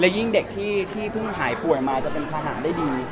และยิ่งเด็กที่ที่พึ่งหายป่วยมาจะเป็นพหาได้ดี